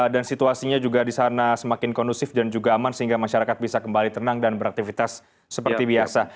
dan situasinya juga di sana semakin kondusif dan juga aman sehingga masyarakat bisa kembali tenang dan beraktivitas seperti biasa